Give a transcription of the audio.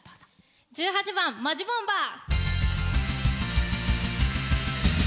１８番「本気ボンバー！！」。